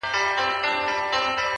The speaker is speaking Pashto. د هغې خوله ، شونډي ، پېزوان او زنـي,